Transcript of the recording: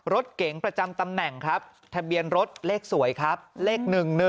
รถเก๋งประจำตำแหน่งครับทะเบียนรถเลขสวยครับเลข๑๑